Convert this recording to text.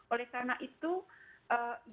oleh karena itu yang sudah kita lakukan